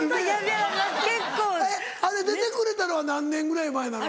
えっあれ出てくれたのは何年ぐらい前なの？